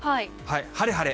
晴れ、晴れ。